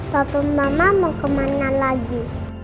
satu mama mau kemana lagi